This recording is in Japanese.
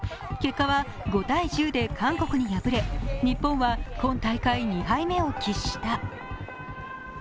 結果は５−１０で韓国に敗れ日本は今大会２敗目を喫した。